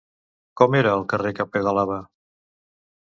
Com era el carrer que pedalava?